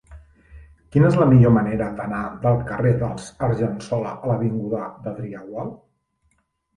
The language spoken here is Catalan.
Quina és la millor manera d'anar del carrer dels Argensola a l'avinguda d'Adrià Gual?